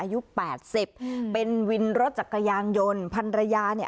อายุแปดสิบอืมเป็นวินรถจักรยานยนต์พันรยาเนี่ย